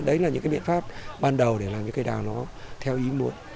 đấy là những cái biện pháp ban đầu để làm cho cây đào nó theo ý muộn